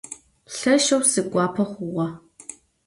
Lheşşeu siguape xhuğe!